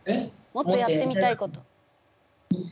もっとやってみたいこと？